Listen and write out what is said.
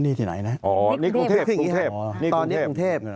นี่ที่ไหนนะนี่กรุงเทพตอนนี้กรุงเทพ